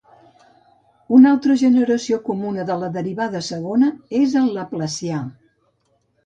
Una altra generalització comuna de la derivada segona és el laplacià.